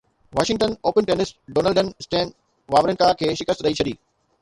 Washington Open tennis ڊونلڊن Stan Wawrinka کي شڪست ڏئي ڇڏي